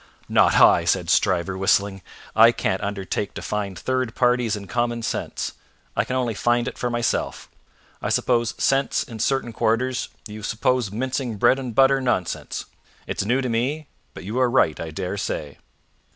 "Not I!" said Stryver, whistling. "I can't undertake to find third parties in common sense; I can only find it for myself. I suppose sense in certain quarters; you suppose mincing bread and butter nonsense. It's new to me, but you are right, I dare say."